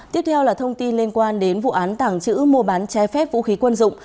tiếp theo là thông tin liên quan đến vụ án tảng chữ mua bán trái phép vũ khí quân dụng